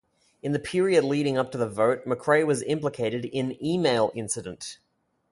In the period leading up to the vote, McRae was implicated in email incident.